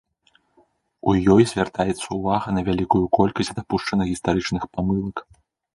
У ёй звяртаецца ўвага на вялікую колькасць дапушчаных гістарычных памылак.